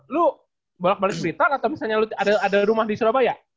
lo bolak balik berlitar atau misalnya lo ada rumah di surabaya